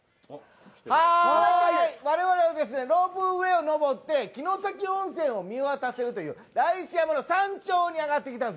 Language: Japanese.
我々はロープウェーを登って城崎温泉を見渡せるという大師山の山頂に上がってきたんです。